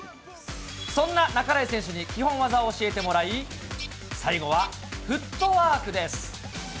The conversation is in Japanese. そんな半井選手に基本技を教えてもらい、最後はフットワークです。